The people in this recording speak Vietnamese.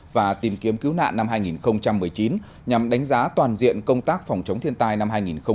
và tìm kiếm cứu nạn năm hai nghìn một mươi chín nhằm đánh giá toàn diện công tác phòng chống thiên tai năm hai nghìn hai mươi